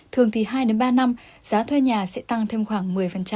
thường thì hai ba năm giá thuê nhà sẽ tăng thêm khoảng một mươi